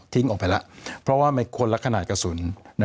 ทิ้งออกไปแล้วเพราะคุณละขนาดกระสุน